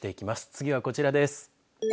次はこちらです。